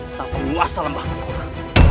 sampai menguasal lembah tengkorak